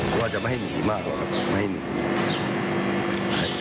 ก็ว่าจะไม่ให้หนีมากหรอกครับไม่ให้หนี